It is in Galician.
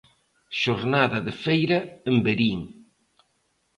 Xornada de feira en Verín.